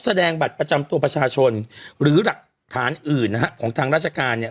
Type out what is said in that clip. แสดงบัตรประจำตัวประชาชนหรือหลักฐานอื่นนะฮะของทางราชการเนี่ย